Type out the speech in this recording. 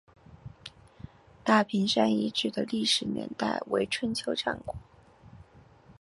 大坪山遗址的历史年代为春秋战国。